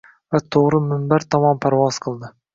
va to‘g‘ri minbar tomon parvoz qildi.